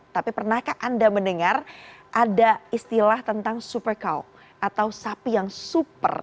tapi pernahkah anda mendengar ada istilah tentang super count atau sapi yang super